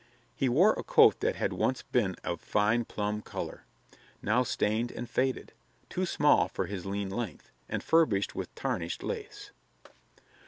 He wore a coat that had once been of fine plum color now stained and faded too small for his lean length, and furbished with tarnished lace.